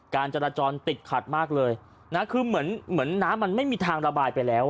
การจราจรติดขัดมากเลยนะคือเหมือนเหมือนน้ำมันไม่มีทางระบายไปแล้ว